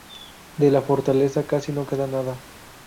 De la fortaleza casi no queda nada.